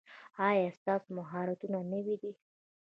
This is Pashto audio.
ایا ستاسو مهارتونه نوي دي؟